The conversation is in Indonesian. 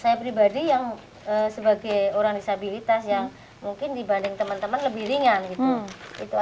saya pribadi yang sebagai orang disabilitas yang mungkin dibanding teman teman lebih ringan gitu